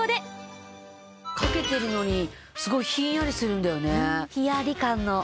掛けてるのにすごいひんやりするんだよね。